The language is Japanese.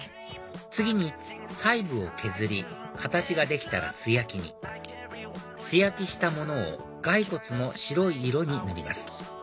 次に細部を削り形ができたら素焼きに素焼きしたものを骸骨の白い色に塗ります